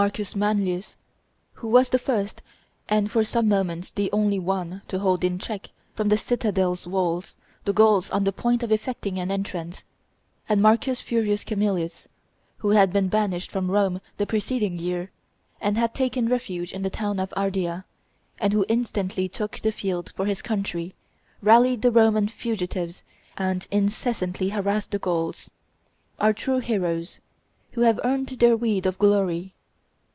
Manlius, who was the first, and for some moments the only one, to hold in check, from the citadel's walls, the Gauls on the point of effecting an entrance; and M. Furius Camillus, who had been banished from Rome the preceding year, and had taken refuge in the town of Ardea, and who instantly took the field for his country, rallied the Roman fugitives, and incessantly harassed the Gauls are true heroes, who have earned their weed of glory.